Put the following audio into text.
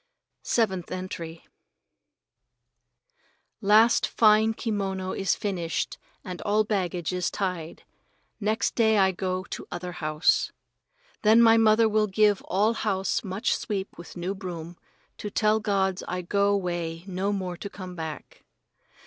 Seventh Entry Last fine kimono is finished and all baggage is tied. Next day I go to other house. Then my mother will give all house much sweep with new broom, to tell gods I go 'way no more to come back.